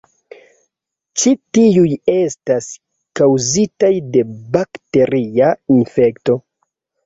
Ĉi tiuj estas kaŭzitaj de bakteria infekto.